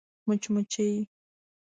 🐝 مچمچۍ